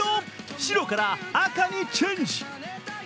白から赤にチェンジ。